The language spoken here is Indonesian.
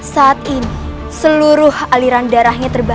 saat ini seluruh aliran darahnya terbatas